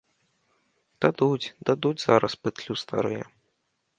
Дадуць, дадуць зараз пытлю старыя.